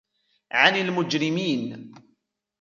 عن المجرمين